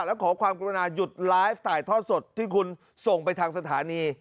แล้วขอความกรุณาหยุดไลฟ์ถ่ายทอดสดที่คุณส่งไปทางสถานี